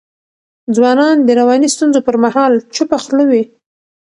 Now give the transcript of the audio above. ځوانان د رواني ستونزو پر مهال چوپه خوله وي.